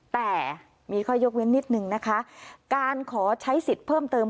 แต่มีข้อยกเว้นนิดนึงนะคะการขอใช้สิทธิ์เพิ่มเติม